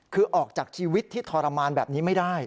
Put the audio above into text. คือออกจากชีวิตที่ทรมานแบบนี้ไม่ได้